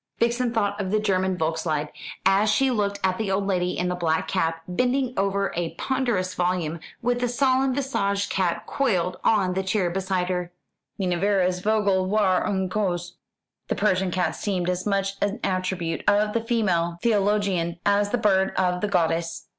Vixen thought of the German Volkslied, as she looked at the old lady in the black cap, bending over a ponderous volume, with the solemn visaged cat coiled on the chair beside her. "Minerva's Vogel war ein Kauz." The Persian cat seemed as much an attribute of the female theologian as the bird of the goddess.